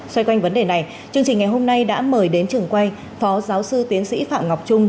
xoay quanh vấn đề này chương trình ngày hôm nay đã mời đến trường quay phó giáo sư tiến sĩ phạm ngọc trung